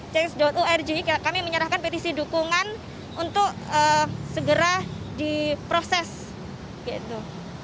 chex org kami menyerahkan petisi dukungan untuk segera diproses gitu